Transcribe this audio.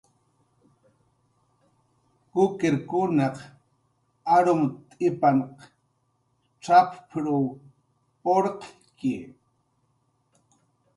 "Kukirkunaq arumt'ipan cx""app""w purqki"